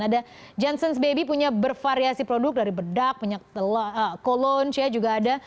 ada johnson's baby punya bervariasi produk dari bedak punya kolon juga ada